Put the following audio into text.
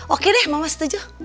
oke deh mama setuju